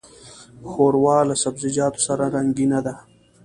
ښوروا له سبزيجاتو سره رنګینه ده.